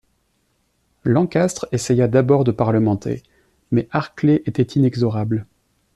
Lancastre essaya d'abord de parlementer, mais Harclay était inexorable.